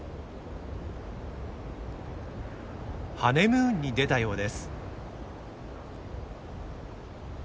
ハネムーンに出たようです。